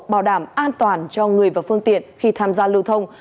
bảo đảm an toàn cho người và phương tiện khi tham gia lưu thông